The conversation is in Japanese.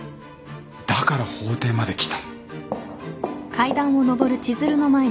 だから法廷まで来た。